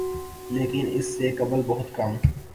لیکن اس سے قبل بہت کم